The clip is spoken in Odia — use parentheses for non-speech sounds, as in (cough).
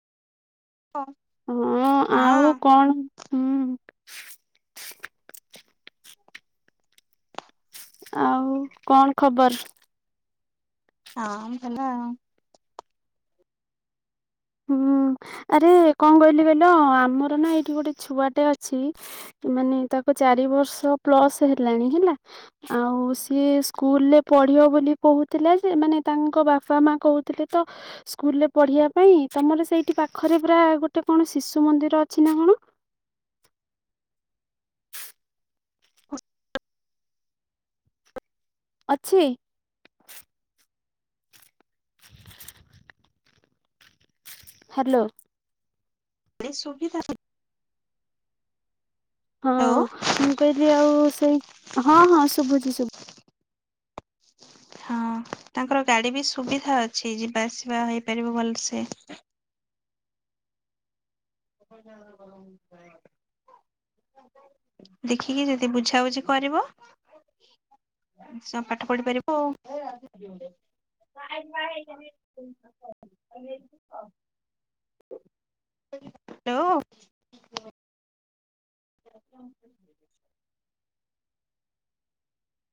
ହଁ। ହୁଁ, ଆଉ ହଁ କଣ? ହୁଁ ଆଉ, କଣ ଖବର? ହଁ, ଭଲ ଆଉ। ହୁଁ, ଆରେ କଣ କହିଲି କହିଲ? ଆମର ନା ଏଇଠି ଗୋଟେ ଛୁଆଟେ ଅଛି ମାନେ, ତାକୁ ଚାରି ବର୍ଷ ପ୍ଲସ୍ ହେଲାଣି ହେଲା। ଆଉ ସିଏ ସ୍କୁଲ ରେ ପଢିବ ବୋଲି କହୁଥିଲା, ଯେ ମାନେ ତାଙ୍କ ବାପା-ମା କହୁ ଥିଲେ ତ ସ୍କୁଲ ରେ ପଢ଼ିବା ପାଇଁ। ତମର ସେଇଠି ପାଖରେ ପୁରା ଗୋଟେ କଣ ଶିଶୁ ମନ୍ଦିର ଅଛି ନା କଣ? ଅଛି? (inaudible) ହ୍ୟାଲୋ। ଏଡେ ସୁବିଧା ନାଇଁ। ହଁ, ମୁଁ କହିଲି, ଆଉ ସେଇ ହଁ, ହଁ ଶୁଭୁଛି ଶୁଭୁ ହଁ, ତାଙ୍କର ଗାଡି ବି ସୁବିଧା ଅଛି, ଯିବା ଆସିବା ହେଇପାରିବ ଭଲସେ। (inaudible) ଦେଖିକି, ଯଦି ବୁଝାବୁଝି କରିବ। ସବ୍ ପାଠ ପଢି ପାରିବ ଆଉ। (unintelligible) ଲୋ! (inaudible)